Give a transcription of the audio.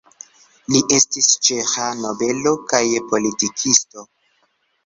Li estis ĉeĥa nobelo kaj politikisto.